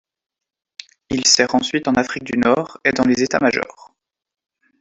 Il sert ensuite en Afrique du Nord, et dans les états-majors.